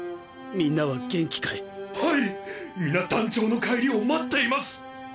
皆団長の帰りを待っています！